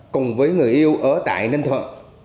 cùng với người yêu ở tại ninh thuận